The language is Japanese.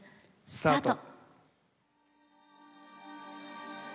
スタート！